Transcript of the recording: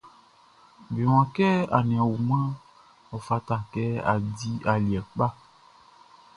Be waan kɛ a nin a wumanʼn, ɔ fata kɛ a di aliɛ kpa.